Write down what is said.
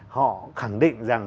họ khẳng định rằng